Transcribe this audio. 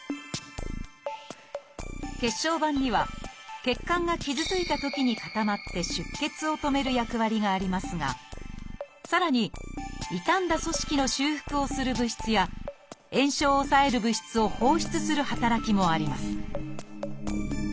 血小板には血管が傷ついたときに固まって出血を止める役割がありますがさらに傷んだ組織の修復をする物質や炎症を抑える物質を放出する働きもあります